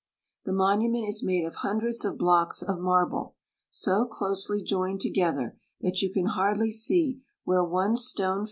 The monument is made of hundreds of blocks of marble, so closely joined together that you can hardly see where one stone fits CARP.